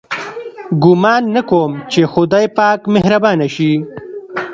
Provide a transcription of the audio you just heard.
ګومان نه کوم چې خدای پاک مهربانه شي.